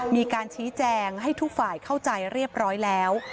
มีการชี้แจงให้ทุกฝ่ายเข้าใจเรียบร้อยแล้ว